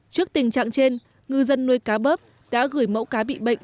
trước tình trạng trên ngư dân nuôi cá bớp đã gửi mẫu cá bị bệnh